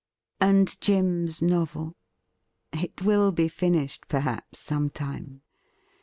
And Jim's novel? It will be finished, perhaps, some time.